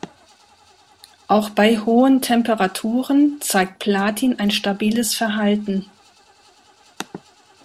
Auch bei hohen Temperaturen zeigt Platin ein stabiles Verhalten.